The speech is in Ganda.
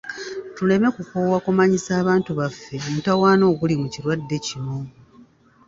Tuleme kukoowa kumanyisa abantu baffe omutawaana oguli mu kirwadde kino.